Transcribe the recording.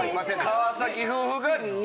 川崎夫婦が２。